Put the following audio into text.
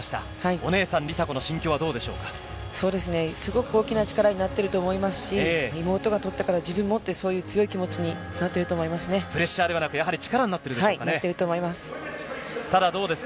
お姉さん、梨紗子の心すごく大きな力になってると思いますし、妹がとったから、自分もって、そういう強い気持ちプレッシャーではなく、なっていると思います。